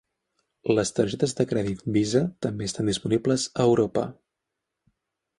Les targetes de crèdit Visa també estan disponibles a Europa.